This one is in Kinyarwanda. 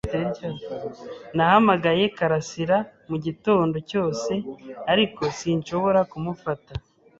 Nahamagaye karasira mugitondo cyose, ariko sinshobora kumufata.